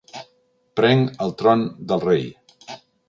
Prenc el tron del rei.